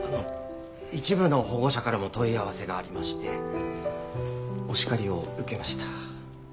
一部の保護者からも問い合わせがありましてお叱りを受けました。